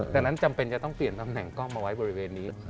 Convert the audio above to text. ดังนั้นจำเป็นจะต้องเปลี่ยนตำแหน่งกล้องมาไว้บริเวณนี้